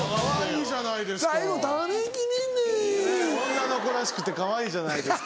女の子らしくてかわいいじゃないですか。